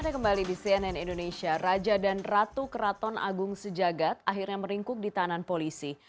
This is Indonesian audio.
kembali di cnn indonesia raja dan ratu keraton agung sejagat akhirnya meringkuk di tahanan polisi